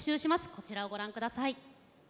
こちらをご覧下さい。